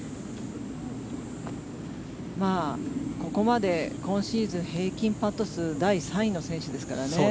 ここまで今シーズン平均パット数第３位の選手ですからね。